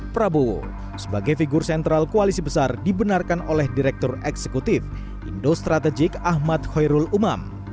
prabowo sebagai figur sentral koalisi besar dibenarkan oleh direktur eksekutif indo strategik ahmad khairul umam